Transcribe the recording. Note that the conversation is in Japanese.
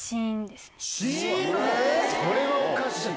それはおかしい。